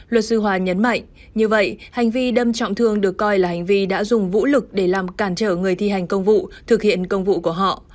luật sư hòa nhấn mạnh như vậy hành vi đâm trọng thương được coi là hành vi đã dùng vũ lực để làm cản trở người thi hành công vụ thực hiện công vụ của họ